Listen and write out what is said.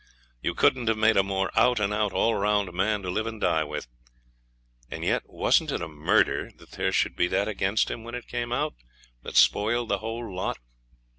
You couldn't have made a more out and out all round man to live and die with; and yet, wasn't it a murder, that there should be that against him, when it came out, that spoiled the whole lot?